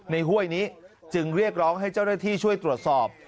ห้วยนี้จึงเรียกร้องให้เจ้าหน้าที่ช่วยตรวจสอบ